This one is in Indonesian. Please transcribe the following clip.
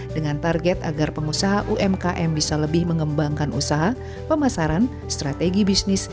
dengan target agar pengusaha umkm bisa lebih mengembangkan usaha pemasaran strategi bisnis